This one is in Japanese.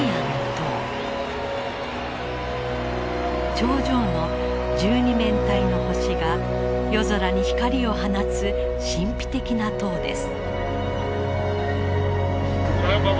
頂上の１２面体の星が夜空に光を放つ神秘的な塔です。